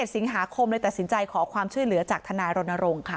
สิงหาคมเลยตัดสินใจขอความช่วยเหลือจากทนายรณรงค์ค่ะ